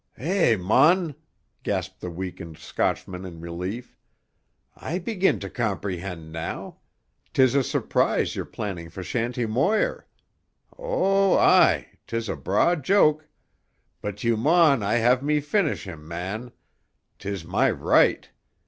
"Eh, mon!" gasped the weakened Scotchman in relief. "I begin to comprehend now. 'Tis a surprise you're planning for Shanty Moir. Oh, aye! 'Tis a braw joke. But you maun l'ave me finish him, man; 'tis my right.